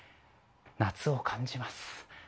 夏を感じます。